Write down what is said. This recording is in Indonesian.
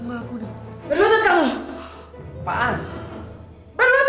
enggak enggak aku udah